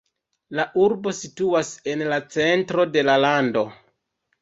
La urbo situas en la centro de la lando.